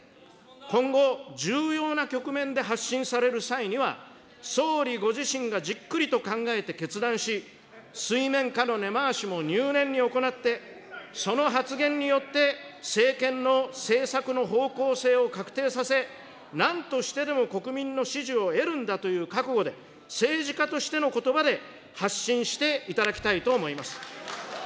今後重要な局面で発信される際には、総理ご自身がじっくりと考えて決断し、水面下の根回しも入念に行って、その発言によって政権の政策の方向性を確定させ、なんとしてでも国民の支持を得るんだという覚悟で、政治家としてのことばで、発信していただきたいと思います。